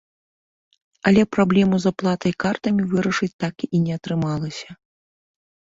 Але праблему з аплатай картамі вырашыць так і не атрымалася.